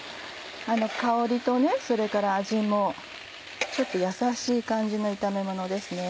香りとそれから味もちょっと優しい感じの炒めものですね。